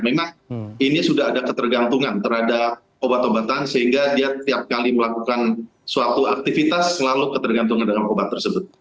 memang ini sudah ada ketergantungan terhadap obat obatan sehingga dia tiap kali melakukan suatu aktivitas selalu ketergantungan dengan obat tersebut